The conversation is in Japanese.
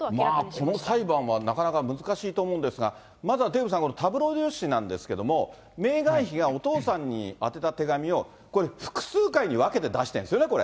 この裁判はなかなか難しいと思うんですが、まずはデーブさん、このタブロイド紙なんですけれども、メーガン妃がお父さんに宛てた手紙をこれ、複数回に分けて出してるんですよね、これ。